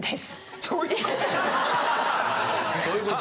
どういうこと？